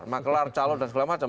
maklar calon dan segala macam